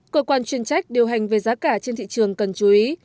cơ quan chuyên trách điều hành về giá cả trên thị trường cần chú ý